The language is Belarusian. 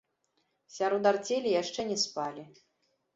Сярод арцелі яшчэ не спалі.